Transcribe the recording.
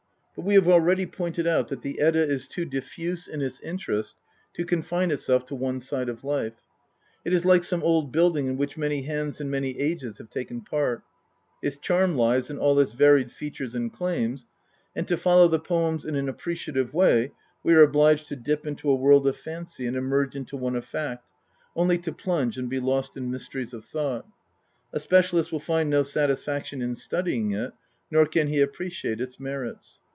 But we have already pointed out that the Edda is too diffuse in its interest to confine itself to one side of life : it is like some old building in which many hands and many ages have taken part : its charm lies in all its varied features and claims, and to follow the poems in an appreciative way we are obliged to dip into a world of fancy and emerge into one of fact, only to plunge and be lost in mysteries of thought : a specialist will find no satis faction in studying it, nor can he appreciate its merits.